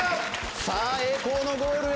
さあ栄光のゴールへ。